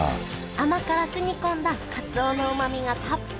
甘辛く煮込んだかつおのうまみがたっぷり！